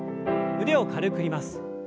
腕を軽く振ります。